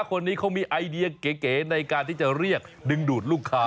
คนนี้เขามีไอเดียเก๋ในการที่จะเรียกดึงดูดลูกค้า